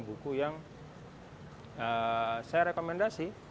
buku yang saya rekomendasi